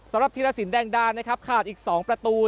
สำหรับธีรศิลป์แดงดานะครับขาดอีก๒ประตู